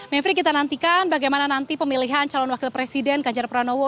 mevri kita nantikan bagaimana nanti pemilihan calon wakil presiden ganjar pranowo